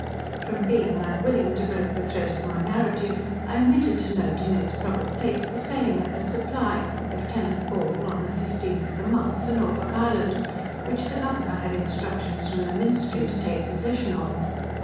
From being unwilling to break the thread of my narrative, I omitted to note in its proper place the sailing of the 'Supply', Lieut. Ball, on the 15th of the month, for Norfolk Island, which the Governor had instructions from the ministry to take possession of.